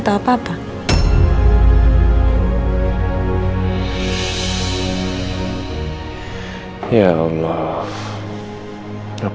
ternyata dia lagi nangis